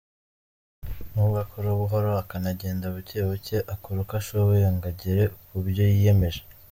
Nubwo akora buhoro, akanagenda bucye bucye akora uko ashoboye ngo agere ku byo yiyemeje.